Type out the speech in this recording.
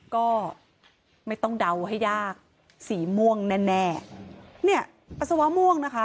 ก็ไม่ต้องเดาให้ยากสีม่วงแน่แน่เนี่ยปัสสาวะม่วงนะคะ